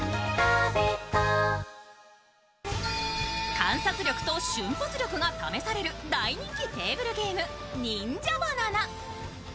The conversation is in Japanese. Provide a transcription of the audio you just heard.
観察力を瞬発力が試される大人気テーブルゲーム「忍者バナナ」。